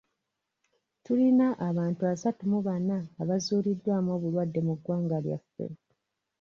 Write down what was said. Tulina abantu asatu mu bana abazuuliddwamu obulwadde mu ggwanga lyaffe.